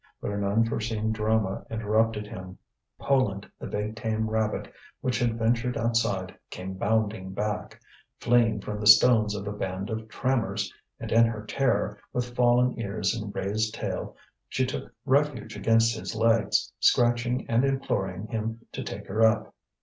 But an unforeseen drama interrupted him: Poland, the big tame rabbit, which had ventured outside, came bounding back, fleeing from the stones of a band of trammers; and in her terror, with fallen ears and raised tail, she took refuge against his legs, scratching and imploring him to take her up.